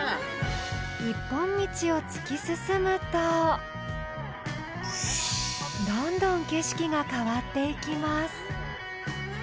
一本道を突き進むとどんどん景色が変わっていきます